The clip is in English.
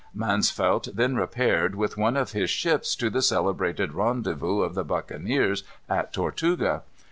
Mansvelt then repaired, with one of his ships, to the celebrated rendezvous of the buccaneers at Tortuga.